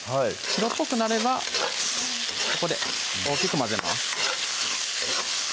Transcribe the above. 白っぽくなればここで大きく混ぜます